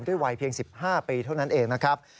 วัยเพียง๑๕ปีเท่านั้นเองนะครับ